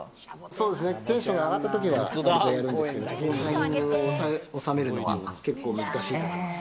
そうですね、テンションが上がったときにやるんですけど、タイミングを収めるのは結構難しいと思います。